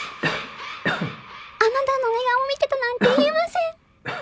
あなたの寝顔見てたなんて言えません！